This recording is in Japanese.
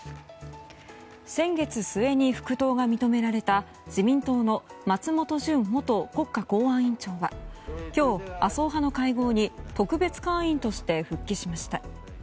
先月末に復党が認められた自民党の松本純元国家公安委員長は今日、麻生派の会合に特別会員として復帰しました。